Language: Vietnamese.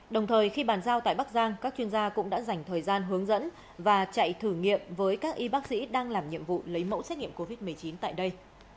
đồng thời khi bàn giao tại bắc giang các chuyên gia cũng đã dành thời gian hướng dẫn và chạy thử nghiệm với các y bác sĩ đang làm nhiệm vụ lấy mẫu xét nghiệm covid một mươi chín tại đây